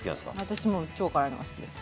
私もう超辛いのが好きです。